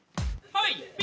はい！